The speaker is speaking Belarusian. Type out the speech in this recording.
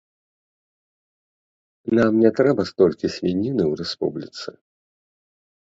Нам не трэба столькі свініны ў рэспубліцы.